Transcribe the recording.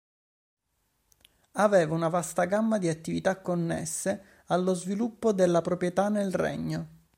Aveva una vasta gamma di attività connesse allo sviluppo della proprietà nel regno.